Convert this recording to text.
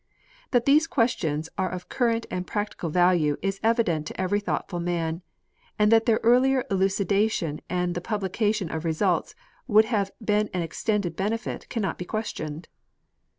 That these questions are of current and practical value is evident to every thoughtful man, and that their earlier elucida tion and the publication of results would have been an extended benefit cannot be questioned.